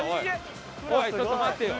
おいちょっと待ってよ！